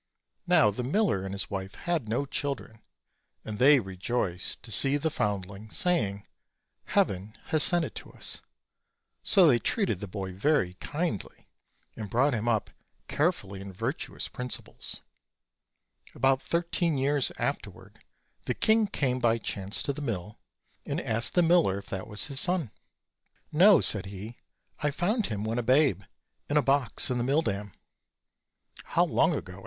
Now the miller and his wife had no children, and they rejoiced to see the foundling, saying: "Heaven has sent it to us;" so they treated the boy very kindly, and brought him up carefully in virtu ous principles. About thirteen years afterward the king came by chance to the mill, and asked the miller if that was his son. OLD, OLD FAIRY TALES. 65 "No," said he; "I found him, when a babe, in a box in the mill dam." "How long ago?"